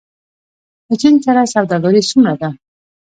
له چین سره سوداګري څومره ده؟